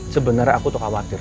sebenarnya aku tuh khawatir